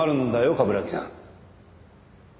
冠城さん。